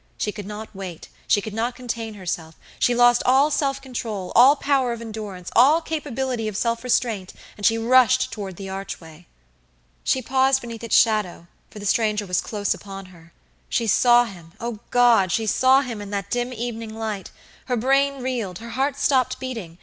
She could not wait, she could not contain herself, she lost all self control, all power of endurance, all capability of self restraint, and she rushed toward the archway. She paused beneath its shadow, for the stranger was close upon her. She saw him, oh, God! she saw him in that dim evening light. Her brain reeled, her heart stopped beating.